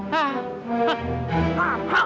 hah hah hah